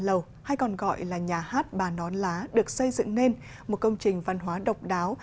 lầu hay còn gọi là nhà hát bà nón lá được xây dựng nên một công trình văn hóa độc đáo